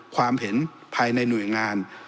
ความเห็นภายในหน่วยงาน